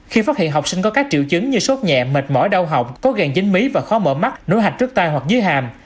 khi phát hiện học sinh có các triệu chứng như sốt nhẹ mệt mỏi đau học có gàn dính mí và khó mở mắt nối hạch trước tay hoặc dưới hàm